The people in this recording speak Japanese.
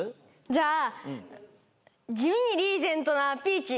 じゃあ「地味にリーゼントなピーチ」。